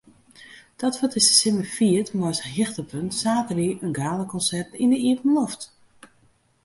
Dat wurdt dizze simmer fierd mei as hichtepunt saterdei in galakonsert yn de iepenloft.